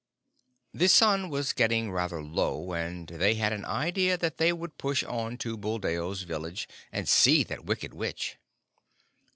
The sun was getting rather low, and they had an idea that they would push on to Buldeo's village and see that wicked witch.